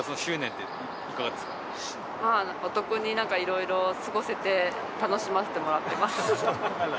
お得に何かいろいろ過ごせて、楽しませてもらってます。